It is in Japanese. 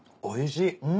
おいしい。